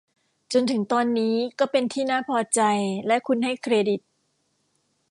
จนถึงตอนนี้ก็เป็นที่น่าพอใจและคุณให้เครดิต